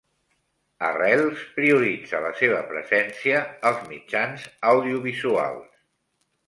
Arrels prioritza la seva presència als mitjans audiovisuals